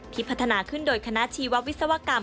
พัฒนาขึ้นโดยคณะชีววิศวกรรม